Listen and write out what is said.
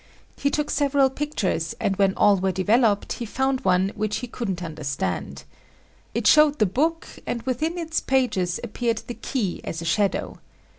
He took several pictures and when all were developed he found one which he couldn't understand. It showed the book and within its pages appeared the key as a shadow.